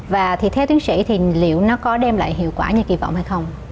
và thì theo tiến sĩ thì liệu nó có đem lại hiệu quả như kỳ vọng hay không